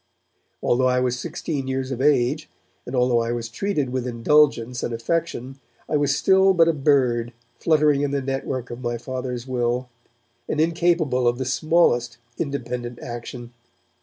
Although I was sixteen years of age, and although I was treated with indulgence and affection, I was still but a bird fluttering in the net work of my Father's will, and incapable of the smallest independent action.